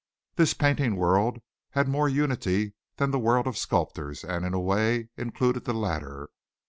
This painting world had more unity than the world of sculptors and, in a way, included the latter.